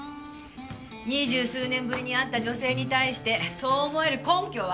二十数年ぶりに会った女性に対してそう思える根拠は？